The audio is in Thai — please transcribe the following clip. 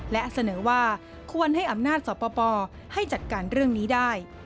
และเสนอว่าควรให้อำนาจสปให้จัดการเรื่องนี้ได้